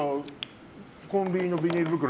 コンビニのビニール